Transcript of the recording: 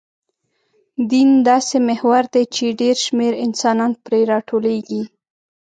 دین داسې محور دی، چې ډېر شمېر انسانان پرې راټولېږي.